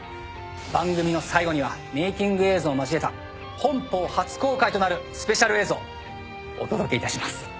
番組の最後にはメイキング映像を交えた本邦初公開となるスペシャル映像お届けいたします。